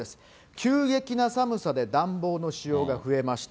急激な寒さで暖房の使用が増えました。